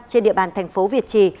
trên địa bàn thành phố việt trì